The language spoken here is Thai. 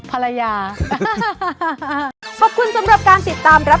ภรรยา